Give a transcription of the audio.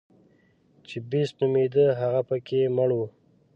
چې بېسټ نومېده هغه پکې مړ و.